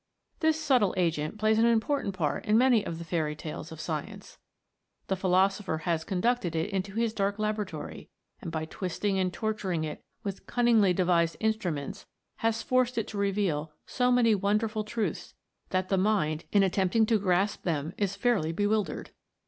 This subtle agent plays an important part in many of the fairy tales of science. The philosopher has conducted it into his dark laboratory, and by twisting and torturing it with cunningly devised instruments, has forced it to reveal so many won derful truths, that the mind, in attempting to grasp them, is fairly bewildered.